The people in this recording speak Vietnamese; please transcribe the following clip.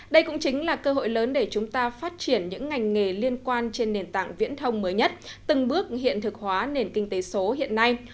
đây cũng chính là cơ hội lớn để chúng ta phát triển những ngành nghề liên quan trên nền tảng viễn thông mới nhất từng bước hiện thực hóa nền kinh tế số hiện nay